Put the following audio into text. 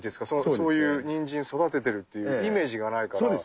そういう人参育てるっていうイメージがないから。